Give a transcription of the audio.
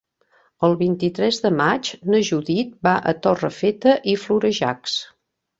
El vint-i-tres de maig na Judit va a Torrefeta i Florejacs.